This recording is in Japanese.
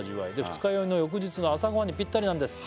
「二日酔いの翌日の朝ごはんにぴったりなんです」